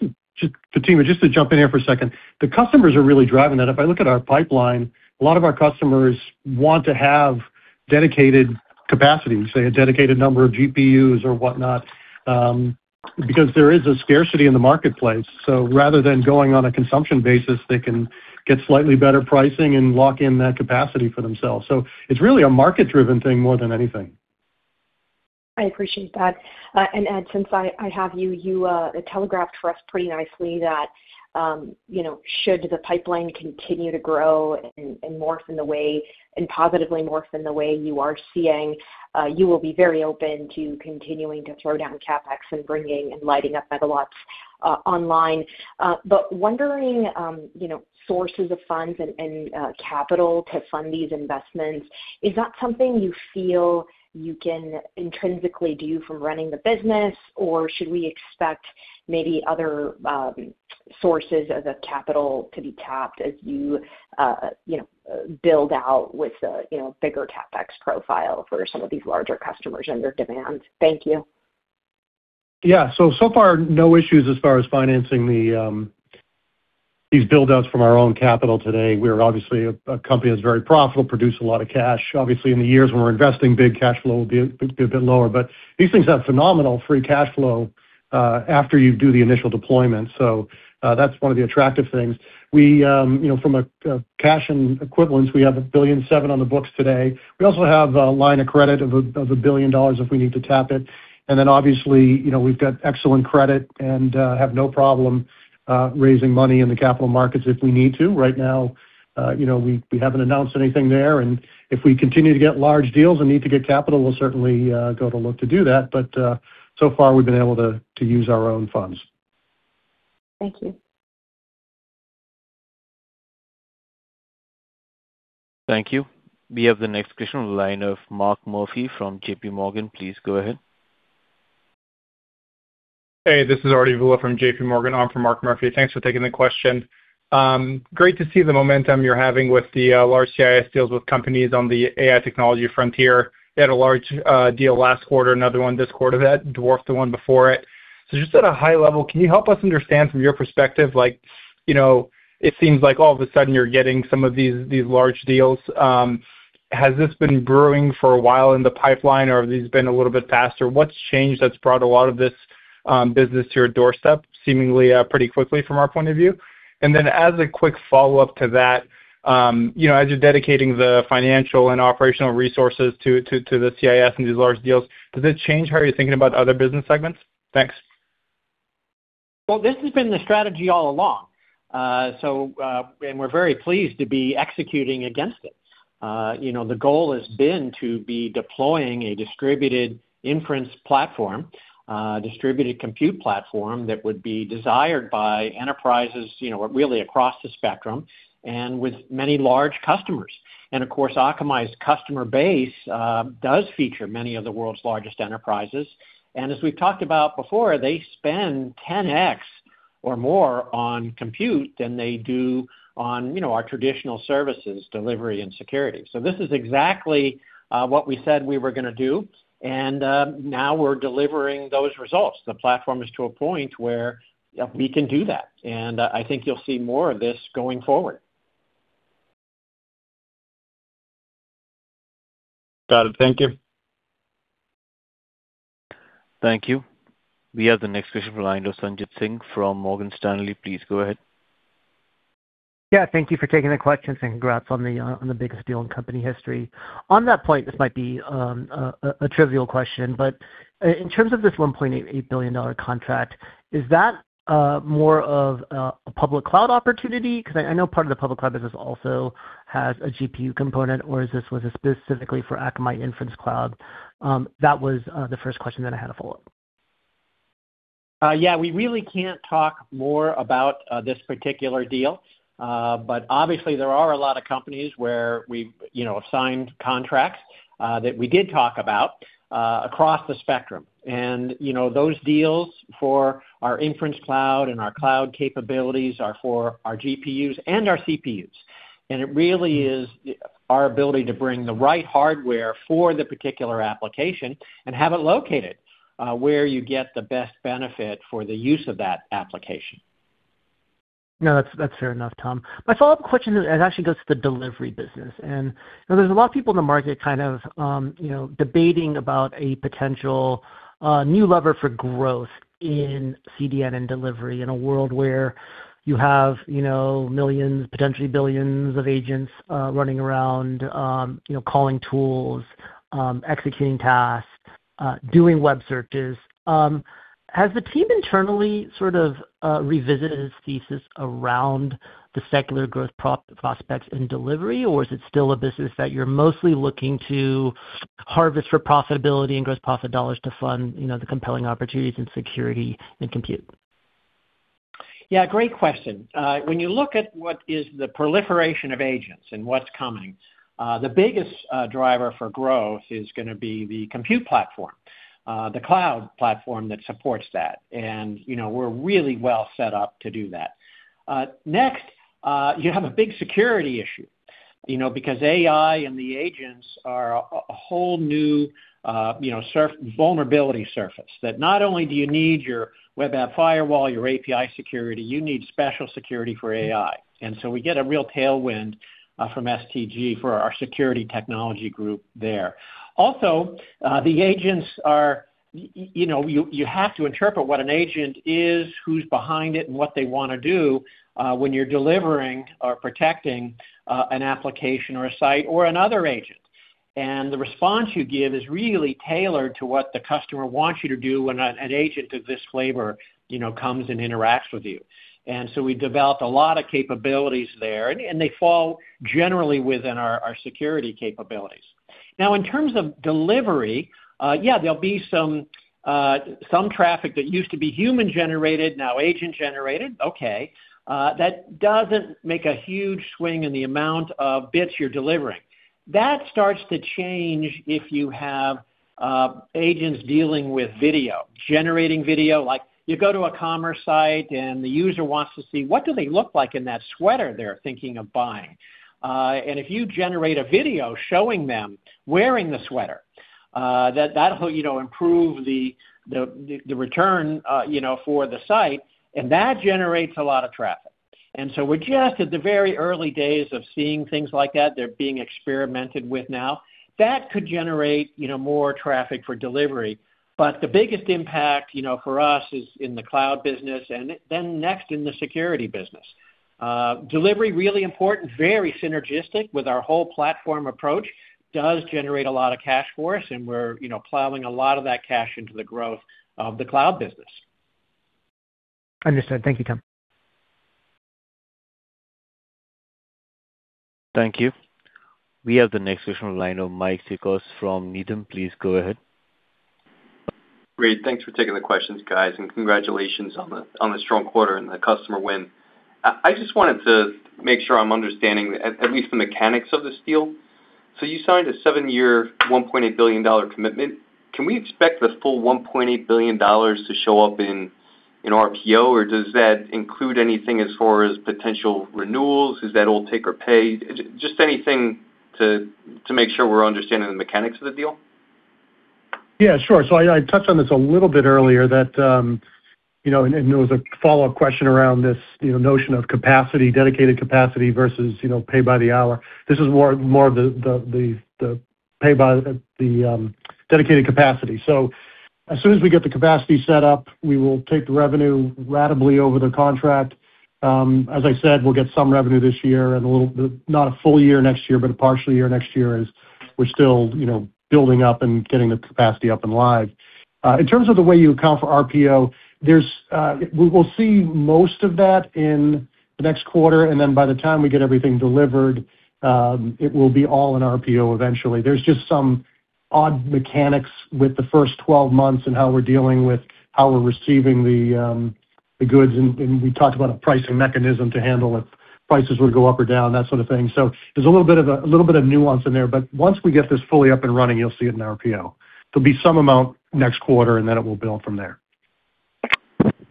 Fatima, just to jump in here for a second. The customers are really driving that. If I look at our pipeline, a lot of our customers want to have dedicated capacity, say, a dedicated number of GPUs or whatnot, because there is a scarcity in the marketplace. Rather than going on a consumption basis, they can get slightly better pricing and lock in that capacity for themselves. It's really a market-driven thing more than anything. I appreciate that. Ed, since I have you telegraphed for us pretty nicely that, you know, should the pipeline continue to grow and morph in the way and positively morph in the way you are seeing, you will be very open to continuing to throw down CapEx and bringing and lighting up mega PoPs online. Wondering, you know, sources of funds and capital to fund these investments, is that something you feel you can intrinsically do from running the business, or should we expect maybe other sources as a capital to be tapped as you know, build out with the, you know, bigger CapEx profile for some of these larger customers and their demands? Thank you. So far, no issues as far as financing these build-outs from our own capital today. We're obviously a company that's very profitable, produce a lot of cash. Obviously, in the years when we're investing big, cash flow will be a bit lower. These things have phenomenal free cash flow after you do the initial deployment. That's one of the attractive things. We, you know, from a cash and equivalence, we have $1.7 billion on the books today. We also have a line of credit of $1 billion if we need to tap it. Obviously, you know, we've got excellent credit and have no problem raising money in the capital markets if we need to. Right now, you know, we haven't announced anything there, and if we continue to get large deals and need to get capital, we'll certainly go to look to do that. So far, we've been able to use our own funds. Thank you. Thank you. We have the next question on the line of Mark Murphy from JPMorgan. Please go ahead. Hey, this is Arti Vula from JPMorgan on for Mark Murphy. Thanks for taking the question. Great to see the momentum you're having with the large CIS deals with companies on the AI technology frontier. You had a large deal last quarter, another one this quarter that dwarfed the one before it. Just at a high level, can you help us understand from your perspective, like, you know, it seems like all of a sudden you're getting some of these large deals. Has this been brewing for a while in the pipeline, or have these been a little bit faster? What's changed that's brought a lot of this business to your doorstep seemingly pretty quickly from our point of view? As a quick follow-up to that, you know, as you're dedicating the financial and operational resources to the CIS and these large deals, does it change how you're thinking about other business segments? Thanks. Well, this has been the strategy all along. We're very pleased to be executing against it. You know, the goal has been to be deploying a distributed inference platform, distributed compute platform that would be desired by enterprises, you know, really across the spectrum and with many large customers. Of course, Akamai's customer base does feature many of the world's largest enterprises. As we've talked about before, they spend 10x or more on compute than they do on, you know, our traditional services, delivery and security. This is exactly what we said we were gonna do, and now we're delivering those results. The platform is to a point where we can do that, I think you'll see more of this going forward. Got it. Thank you. Thank you. We have the next question from the line of Sanjit Singh from Morgan Stanley. Please go ahead. Yeah, thank you for taking the questions, and congrats on the biggest deal in company history. On that point, this might be a trivial question, but in terms of this $1.8 billion contract, is that more of a public cloud opportunity? I know part of the public cloud business also has a GPU component, or is this was specifically for Akamai Inference Cloud? That was the first question, I had a follow-up. Yeah, we really can't talk more about this particular deal. But obviously there are a lot of companies where we've, you know, signed contracts that we did talk about across the spectrum. You know, those deals for our Inference Cloud and our cloud capabilities are for our GPUs and our CPUs. It really is our ability to bring the right hardware for the particular application and have it located where you get the best benefit for the use of that application. No, that's fair enough, Tom. My follow-up question is, it actually goes to the delivery business. You know, there's a lot of people in the market kind of, you know, debating about a potential new lever for growth in CDN and delivery in a world where you have, you know, millions, potentially billions of agents, running around, you know, calling tools, executing tasks, doing web searches. Has the team internally sort of revisited its thesis around the secular growth prospects in delivery, or is it still a business that you're mostly looking to harvest for profitability and gross profit dollars to fund, you know, the compelling opportunities in security and compute? Yeah, great question. When you look at what is the proliferation of agents and what's coming, the biggest driver for growth is gonna be the compute platform, the cloud platform that supports that. You know, we're really well set up to do that. Next, you have a big security issue. You know, because AI and the agents are a whole new, you know, vulnerability surface that not only do you need your Web Application Firewall, your API Security, you need special security for AI. We get a real tailwind from STG for our Security Technology Group there. The agents are you know, you have to interpret what an agent is, who's behind it, and what they wanna do when you're delivering or protecting an application or a site or another agent. The response you give is really tailored to what the customer wants you to do when an agent of this flavor, you know, comes and interacts with you. We developed a lot of capabilities there, and they fall generally within our security capabilities. In terms of delivery, yeah, there'll be some traffic that used to be human-generated, now agent-generated. Okay. That doesn't make a huge swing in the amount of bits you're delivering. That starts to change if you have agents dealing with video, generating video. Like you go to a commerce site, and the user wants to see what do they look like in that sweater they're thinking of buying. And if you generate a video showing them wearing the sweater, that'll, you know, improve the return, you know, for the site, and that generates a lot of traffic. We're just at the very early days of seeing things like that. They're being experimented with now. That could generate, you know, more traffic for delivery. The biggest impact, you know, for us is in the cloud business and then next in the security business. Delivery, really important, very synergistic with our whole platform approach. Does generate a lot of cash for us, and we're, you know, plowing a lot of that cash into the growth of the cloud business. Understood. Thank you, Tom. Thank you. We have the next question on the line of Mike Cikos from Needham. Please go ahead. Great. Thanks for taking the questions, guys, and congratulations on the strong quarter and the customer win. I just wanted to make sure I'm understanding at least the mechanics of this deal. You signed a seven-year $1.8 billion commitment. Can we expect the full $1.8 billion to show up in RPO, or does that include anything as far as potential renewals? Is that all take or pay? Just anything to make sure we're understanding the mechanics of the deal. Yeah, sure. I touched on this a little bit earlier that, you know, and there was a follow-up question around this, you know, notion of capacity, dedicated capacity versus, you know, pay by the hour. This is more of the pay by the dedicated capacity. As soon as we get the capacity set up, we will take the revenue ratably over the contract. As I said, we'll get some revenue this year and not a full year next year, but a partial year next year as we're still, you know, building up and getting the capacity up and live. In terms of the way you account for RPO, there's we will see most of that in the next quarter, and then by the time we get everything delivered, it will be all in RPO eventually. There's just some odd mechanics with the first 12 months and how we're dealing with how we're receiving the goods, and we talked about a pricing mechanism to handle if prices would go up or down, that sort of thing. There's a little bit of nuance in there, but once we get this fully up and running, you'll see it in RPO. There'll be some amount next quarter, and then it will build from there.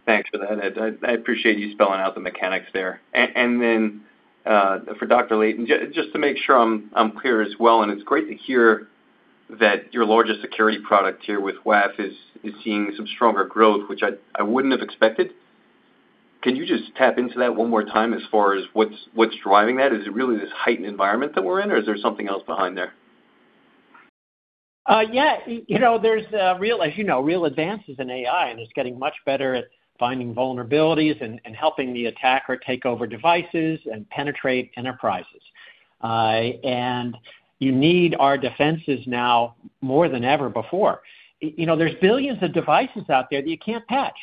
Thanks for that. I appreciate you spelling out the mechanics there. Then, for Dr. Leighton, just to make sure I'm clear as well, and it's great to hear that your largest security product here with WAF is seeing some stronger growth, which I wouldn't have expected. Can you just tap into that one more time as far as what's driving that? Is it really this heightened environment that we're in, or is there something else behind there? There's real advances in AI, and it's getting much better at finding vulnerabilities and helping the attacker take over devices and penetrate enterprises. And you need our defenses now more than ever before. There's billions of devices out there that you can't patch,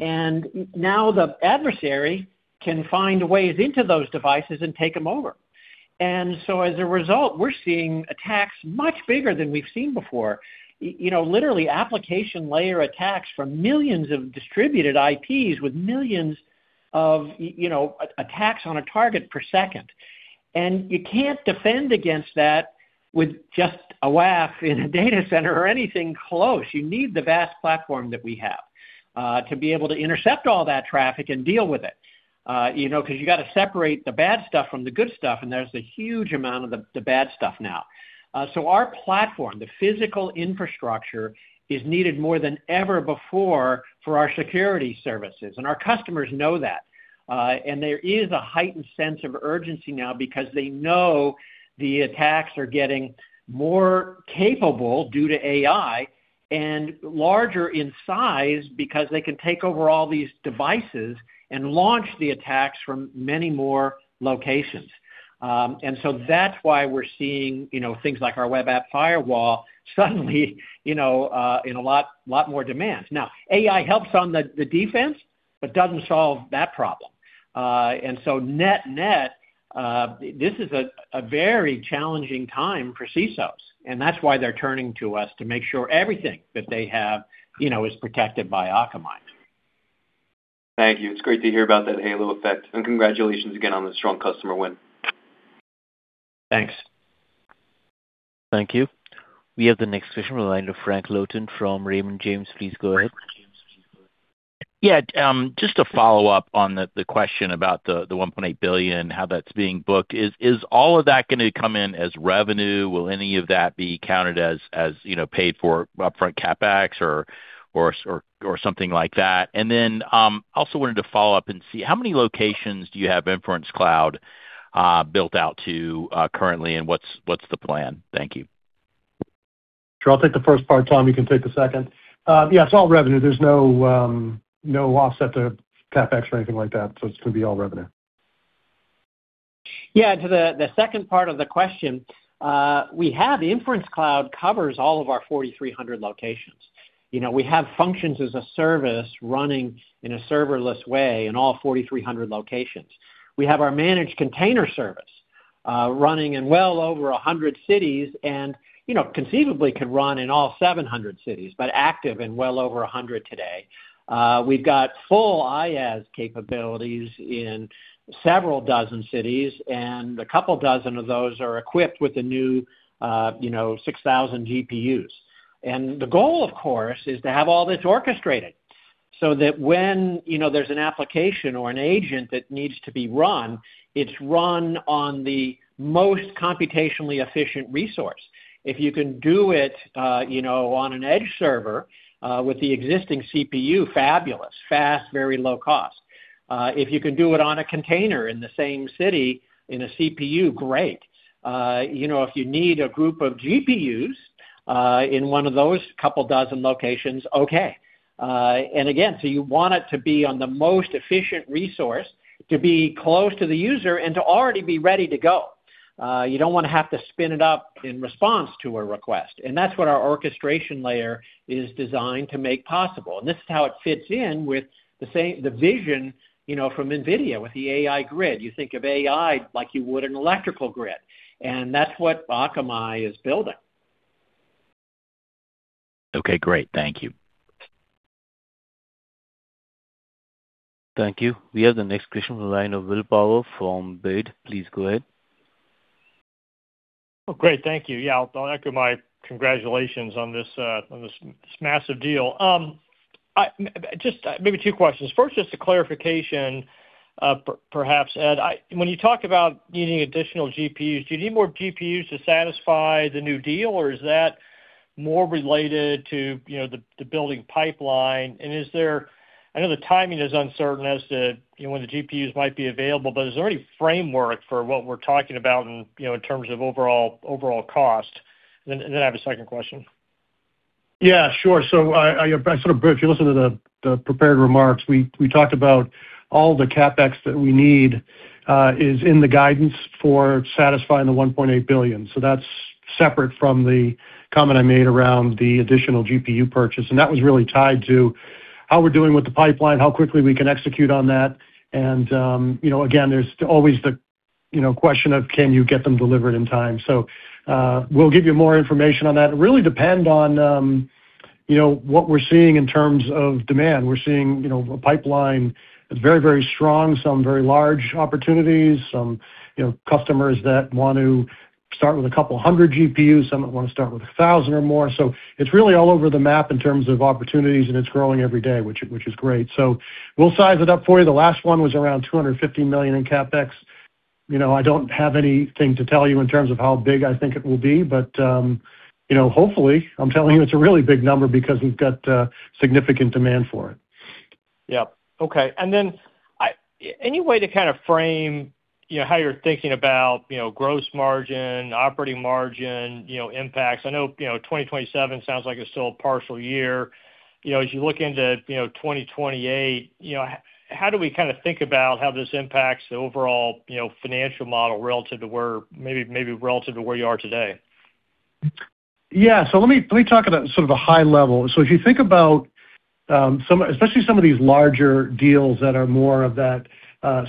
and now the adversary can find ways into those devices and take them over. As a result, we're seeing attacks much bigger than we've seen before. Literally application layer attacks from millions of distributed IPs with millions of attacks on a target per second. You can't defend against that with just a WAF in a data center or anything close. You need the vast platform that we have to be able to intercept all that traffic and deal with it. You know, 'cause you gotta separate the bad stuff from the good stuff, there's a huge amount of the bad stuff now. Our platform, the physical infrastructure, is needed more than ever before for our security services, our customers know that. There is a heightened sense of urgency now because they know the attacks are getting more capable due to AI and larger in size because they can take over all these devices and launch the attacks from many more locations. That's why we're seeing, you know, things like our Web Application Firewall suddenly, you know, in a lot more demand. Now, AI helps on the defense but doesn't solve that problem. Net-net, this is a very challenging time for CISOs, and that's why they're turning to us to make sure everything that they have, you know, is protected by Akamai. Thank you. It's great to hear about that halo effect, and congratulations again on the strong customer win. Thanks. Thank you. We have the next question from the line of Frank Louthan from Raymond James. Please go ahead. Yeah. Just to follow up on the question about the $1.8 billion, how that's being booked. Is all of that gonna come in as revenue? Will any of that be counted as, you know, paid for upfront CapEx or something like that? Also wanted to follow up and see how many locations do you have Inference Cloud built out to currently, and what's the plan? Thank you. Sure. I'll take the first part. Tom, you can take the second. Yeah, it's all revenue. There's no offset to CapEx or anything like that, it's gonna be all revenue. Yeah. To the second part of the question, Inference Cloud covers all of our 4,300 locations. You know, we have Functions as a Service running in a serverless way in all 4,300 locations. We have our managed container service running in well over 100 cities and, you know, conceivably can run in all 700 cities, but active in well over 100 today. We've got full IaaS capabilities in several dozen cities, and a couple dozen of those are equipped with the new, you know, 6,000 GPUs. The goal, of course, is to have all this orchestrated so that when, you know, there's an application or an agent that needs to be run, it's run on the most computationally efficient resource. If you can do it, you know, on an edge server, with the existing CPU, fabulous. Fast, very low cost. If you can do it on a container in the same city in a CPU, great. You know, if you need a group of GPUs, in one of those couple dozen locations, okay. And again, you want it to be on the most efficient resource to be close to the user and to already be ready to go. You don't wanna have to spin it up in response to a request, that's what our orchestration layer is designed to make possible. This is how it fits in with the vision, you know, from NVIDIA with the AI Grid. You think of AI like you would an electrical grid, that's what Akamai is building. Okay, great. Thank you. Thank you. We have the next question from the line of Will Power from Baird. Please go ahead. Great. Thank you. I'll echo my congratulations on this massive deal. I just maybe two questions. First, just a clarification, perhaps, Ed. When you talk about needing additional GPUs, do you need more GPUs to satisfy the new deal, or is that more related to, you know, the building pipeline? Is there I know the timing is uncertain as to, you know, when the GPUs might be available, but is there any framework for what we're talking about in, you know, in terms of overall cost? Then I have a second question. Yeah, sure. I sort of if you listen to the prepared remarks, we talked about all the CapEx that we need is in the guidance for satisfying the $1.8 billion. That's separate from the comment I made around the additional GPU purchase. That was really tied to how we're doing with the pipeline, how quickly we can execute on that. Again, there's always the, you know, question of can you get them delivered in time. We'll give you more information on that. It really depend on, you know, what we're seeing in terms of demand. We're seeing, you know, a pipeline that's very, very strong. Some very large opportunities. Some, you know, customers that want to start with a couple hundred GPUs, some that wanna start with 1,000 or more. It's really all over the map in terms of opportunities, and it's growing every day, which is great. We'll size it up for you. The last one was around $250 million in CapEx. You know, I don't have anything to tell you in terms of how big I think it will be. You know, hopefully, I'm telling you it's a really big number because we've got significant demand for it. Yeah. Okay. Any way to kind of frame, you know, how you're thinking about, you know, gross margin, operating margin, you know, impacts? I know, you know, 2027 sounds like it's still a partial year. You know, as you look into, you know, 2028, you know, how do we kind of think about how this impacts the overall, you know, financial model relative to where maybe relative to where you are today? Yeah. Let me talk about sort of a high level. If you think about, especially some of these larger deals that are more of that,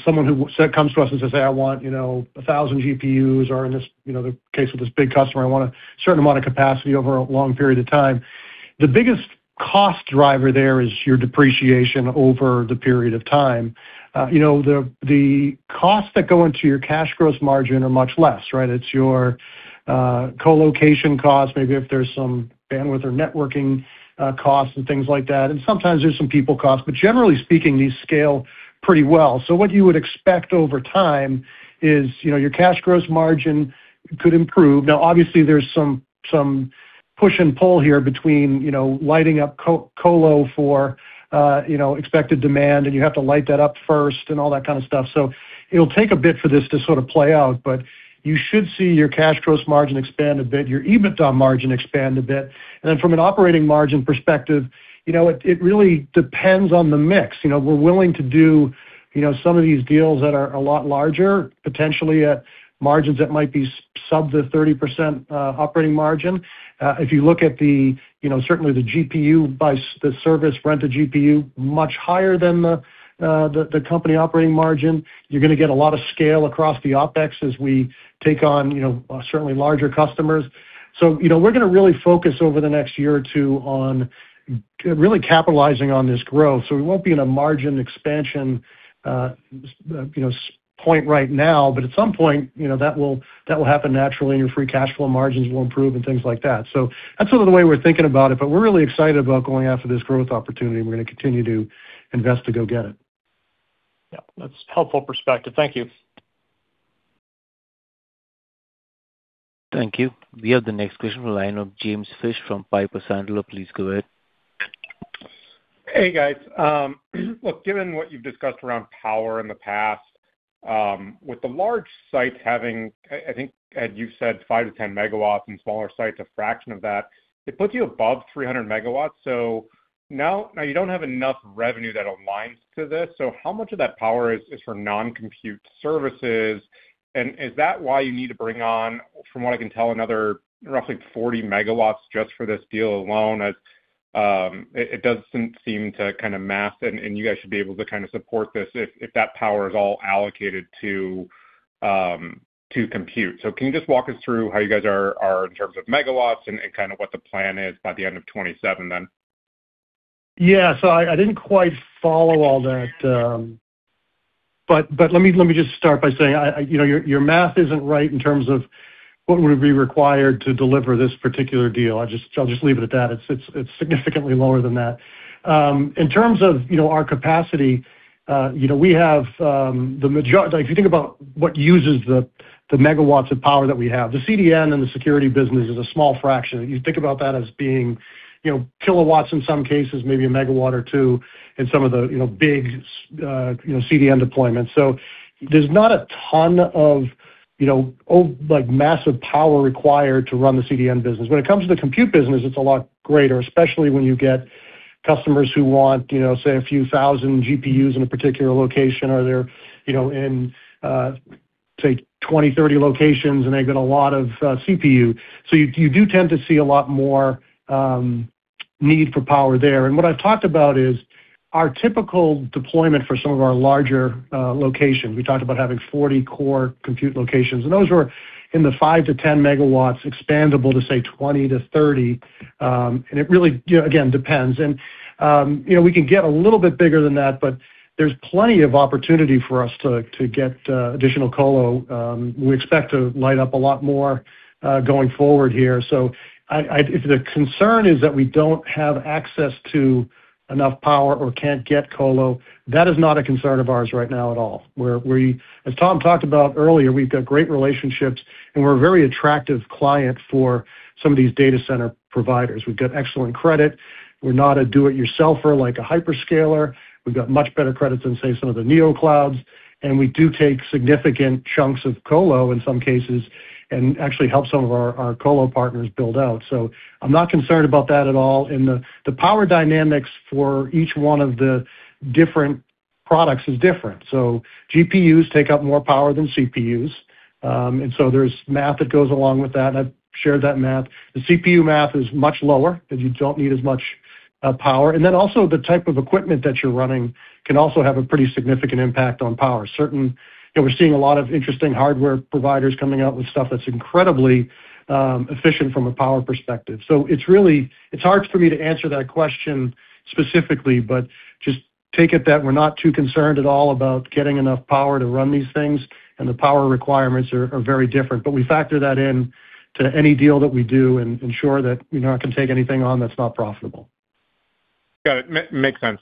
someone who comes to us and says, "Hey, I want, you know, 1,000 GPUs," or in this, you know, the case with this big customer, "I want a certain amount of capacity over a long period of time." The biggest cost driver there is your depreciation over the period of time. You know, the costs that go into your cash gross margin are much less, right? It's your colocation cost, maybe if there's some bandwidth or networking costs and things like that. Sometimes there's some people cost. Generally speaking, these scale pretty well. What you would expect over time is, you know, your cash gross margin could improve. Obviously there's some push and pull here between, you know, lighting up colo for, you know, expected demand, and you have to light that up first and all that kind of stuff. It'll take a bit for this to sort of play out, but you should see your cash gross margin expand a bit, your EBITDA margin expand a bit. From an operating margin perspective, you know, it really depends on the mix. You know, we're willing to do, you know, some of these deals that are a lot larger, potentially at margins that might be sub the 30% operating margin. If you look at the, you know, certainly the GPU by the service rented GPU, much higher than the company operating margin. You're gonna get a lot of scale across the OpEx as we take on, you know, certainly larger customers. You know, we're gonna really focus over the next year or two on really capitalizing on this growth. We won't be in a margin expansion, you know, point right now, but at some point, you know, that will happen naturally, and your free cash flow margins will improve and things like that. That's sort of the way we're thinking about it, but we're really excited about going after this growth opportunity, and we're gonna continue to invest to go get it. Yeah, that's helpful perspective. Thank you. Thank you. We have the next question from the line of James Fish from Piper Sandler. Please go ahead. Hey, guys. Look, given what you've discussed around power in the past, with the large sites having, as you said, 5 MW-10 MW and smaller sites a fraction of that, it puts you above 300 MW. You don't have enough revenue that aligns to this, how much of that power is for non-compute services? Is that why you need to bring on, from what I can tell, another roughly 40 MW just for this deal alone as it does seem to kind of math and you guys should be able to kind of support this if that power is all allocated to compute. Can you just walk us through how you guys are in terms of megawatts and kind of what the plan is by the end of 2027 then? Yeah. I didn't quite follow all that. Let me, let me just start by saying I you know, your math isn't right in terms of what would be required to deliver this particular deal. I'll just leave it at that. It's significantly lower than that. In terms of, you know, our capacity, you know, we have the major, if you think about what uses the megawatts of power that we have. The CDN and the security business is a small fraction. You think about that as being, you know, kilowatts in some cases, maybe a megawatt or two in some of the, you know, big CDN deployments. There's not a ton of, you know, massive power required to run the CDN business. When it comes to the compute business, it's a lot greater, especially when you get customers who want, you know, say, a few thousand GPUs in a particular location or they're, you know, in, say, 20, 30 locations, and they get a lot of CPU. You, you do tend to see a lot more need for power there. What I've talked about is our typical deployment for some of our larger locations. We talked about having 40 core compute locations, and those were in the 5 MW-10 MW expandable to, say, 20 MW-30 MW. It really, you know, again, depends. You know, we can get a little bit bigger than that, but there's plenty of opportunity for us to get additional colo. We expect to light up a lot more going forward here. If the concern is that we don't have access to enough power or can't get colo, that is not a concern of ours right now at all, where we As Tom talked about earlier, we've got great relationships, and we're a very attractive client for some of these data center providers. We've got excellent credit. We're not a do-it-yourselfer like a hyperscaler. We've got much better credit than, say, some of the neo clouds. We do take significant chunks of colo in some cases and actually help some of our colo partners build out. I'm not concerned about that at all. The power dynamics for each one of the different products is different. GPUs take up more power than CPUs. There's math that goes along with that. I've shared that math. The CPU math is much lower, you don't need as much power. Also the type of equipment that you're running can also have a pretty significant impact on power. You know, we're seeing a lot of interesting hardware providers coming out with stuff that's incredibly efficient from a power perspective. It's hard for me to answer that question specifically, just take it that we're not too concerned at all about getting enough power to run these things, the power requirements are very different. We factor that in to any deal that we do and ensure that, you know, I can take anything on that's not profitable. Got it. Makes sense.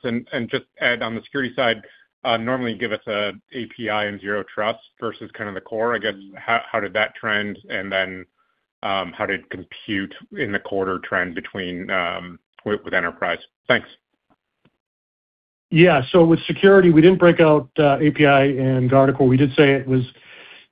Just add on the security side, normally give us an API and Zero Trust versus kind of the core. I guess, how did that trend, then, how did compute in the quarter trend between, with enterprise? Thanks. Yeah. With security, we didn't break out API and Guardicore. We did say it was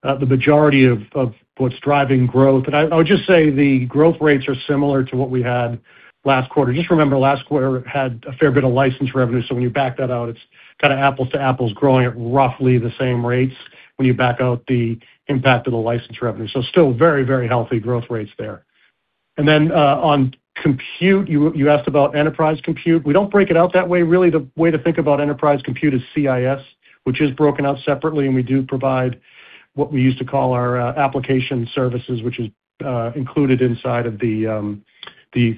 the majority of what's driving growth. I would just say the growth rates are similar to what we had last quarter. Just remember, last quarter had a fair bit of license revenue, so when you back that out, it's kinda apples to apples growing at roughly the same rates when you back out the impact of the license revenue. Still very healthy growth rates there. Then on compute, you asked about enterprise compute. We don't break it out that way. Really, the way to think about enterprise compute is CIS, which is broken out separately, and we do provide what we used to call our application services, which is included inside of the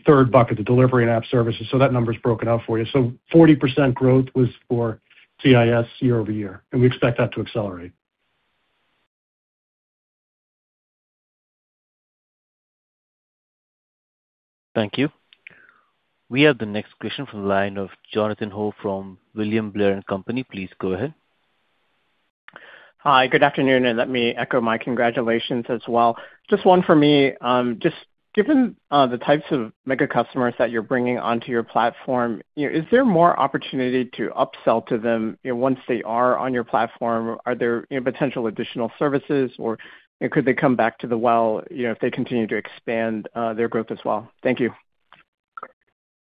third bucket, the delivery and app services. That number's broken out for you. 40% growth was for CIS year-over-year, and we expect that to accelerate. Thank you. We have the next question from the line of Jonathan Ho from William Blair & Company. Please go ahead. Hi, good afternoon. Let me echo my congratulations as well. Just one for me. Just given the types of mega customers that you're bringing onto your platform, you know, is there more opportunity to upsell to them, you know, once they are on your platform? Are there, you know, potential additional services, could they come back to the well, you know, if they continue to expand their growth as well? Thank you.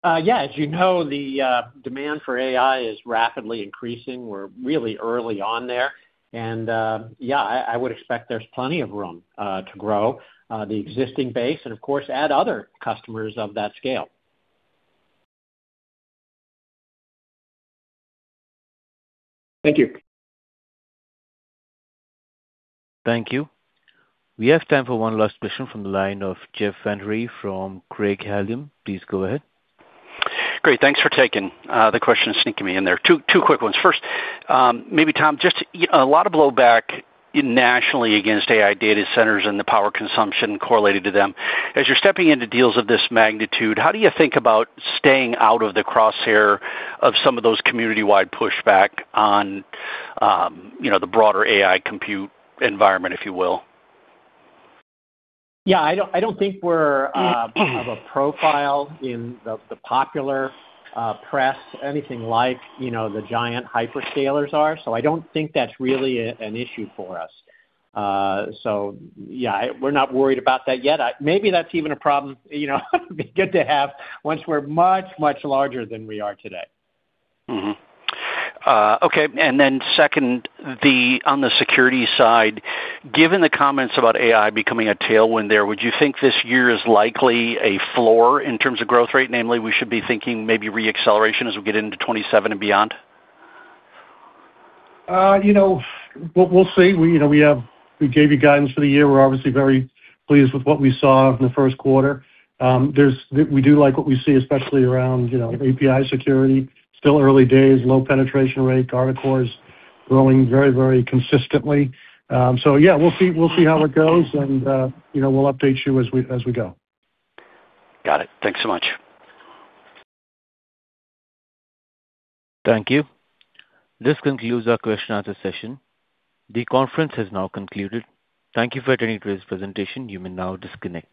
Yeah. As you know, the demand for AI is rapidly increasing. We're really early on there. Yeah, I would expect there's plenty of room to grow the existing base and, of course, add other customers of that scale. Thank you. Thank you. We have time for one last question from the line of Jeff Van Rhee from Craig-Hallum. Please go ahead. Great. Thanks for taking the question, sneaking me in there. Two quick ones. First, maybe Tom, just, you know, a lot of blowback nationally against AI data centers and the power consumption correlated to them. As you're stepping into deals of this magnitude, how do you think about staying out of the crosshair of some of those community-wide pushback on, you know, the broader AI compute environment, if you will? Yeah, I don't, I don't think we're of a profile in the popular press anything like, you know, the giant hyperscalers are. I don't think that's really an issue for us. Yeah, we're not worried about that yet. Maybe that's even a problem, you know, would be good to have once we're much, much larger than we are today. Mm-hmm. Okay. Second, on the security side, given the comments about AI becoming a tailwind there, would you think this year is likely a floor in terms of growth rate? Namely, we should be thinking maybe re-acceleration as we get into 2027 and beyond? You know, we'll see. We gave you guidance for the year. We're obviously very pleased with what we saw in the first quarter. We do like what we see, especially around, you know, API Security. Still early days, low penetration rate, Guardicore is growing very consistently. Yeah, we'll see how it goes, and, you know, we'll update you as we go. Got it. Thanks so much. Thank you. This concludes our question and answer session. The conference has now concluded. Thank you for attending today's presentation. You may now disconnect.